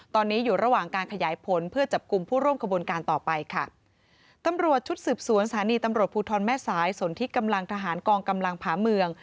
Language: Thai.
ตอนนี้อยู่ระหว่างการขยายผลเพื่อจับกลุ่มผู้ร่วมขบวนการต่อไปค่ะตำรวจชุดสืบสวนสถานีตำรวจภูทรแม่สายสนที่กำลังทหารกองกำลังผาเมือง